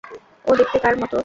ও দেখতে কার মতো?